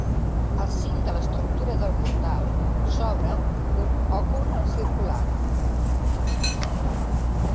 Al cim de l'estructura del portal s'obre un òcul circular.